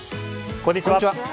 こんにちは。